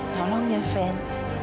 tolong ya fen